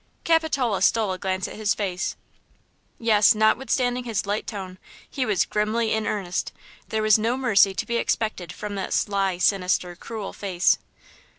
Capitola stole a glance at his face. Yes, notwithstanding his light tone, he was grimly in earnest; there was no mercy to be expected from that sly, sinister, cruel face.